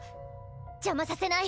邪魔させない！